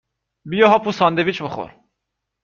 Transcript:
بیا هاپو ساندویچ بخور